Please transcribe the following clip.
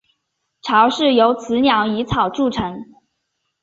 巢是由雌鸟以草筑成。